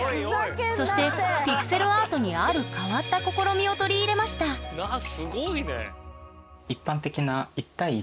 そしてピクセルアートにある変わった試みを取り入れましたすごいね。